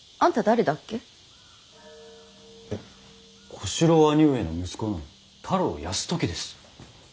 小四郎兄上の息子の太郎泰時です。